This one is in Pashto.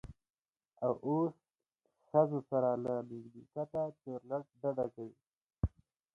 او اوس ښځو سره له نږدیکته چورلټ ډډه کوي.